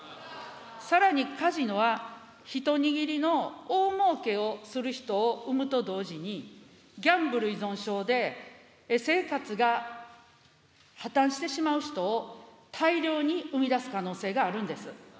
さらにカジノは、一握りの大もうけをする人を生むと同時に、ギャンブル依存症で生活が破綻してしまう人を、大量に生み出す可能性があるんです。